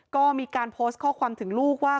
ก็มีการโพสต์ข้อความถึงลูกว่า